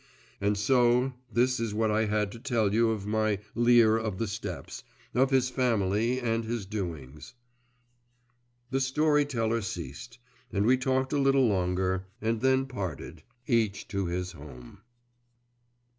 And so this is what I had to tell you of my Lear of the Steppes, of his family and his doings. The story teller ceased, and we talked a little longer, and then parted, each to his home.